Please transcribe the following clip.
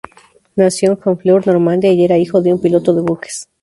Nació en Honfleur, Normandía y era hijo de un piloto de buques.